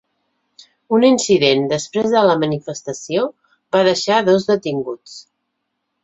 Un incident després de la manifestació va deixar dos detinguts.